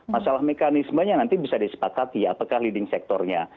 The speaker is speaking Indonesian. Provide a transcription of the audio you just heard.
masalah mekanismenya nanti bisa disepakati apakah leading sectornya